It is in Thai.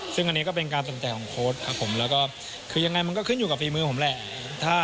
ซึ่งอันนี้ก็เป็นการตำแก่ของโค้ชคือยังไงมันก็ขึ้นอยู่กับมือผมแหละ